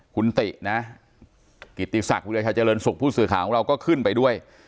คุณตินะฮะกิติศักดิ์เวียชาเจริญศุกร์ผู้สื่อขาของเราก็ขึ้นไปด้วย